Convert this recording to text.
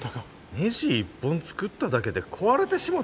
ねじ１本作っただけで壊れてしもた？